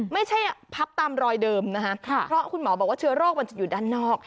พับตามรอยเดิมนะคะเพราะคุณหมอบอกว่าเชื้อโรคมันจะอยู่ด้านนอก